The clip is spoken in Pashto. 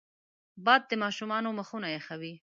باد د ماشومانو مخونه یخوي